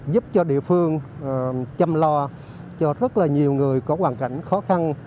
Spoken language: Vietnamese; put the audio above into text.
giúp cho địa phương chăm lo cho rất là nhiều người có hoàn cảnh khó khăn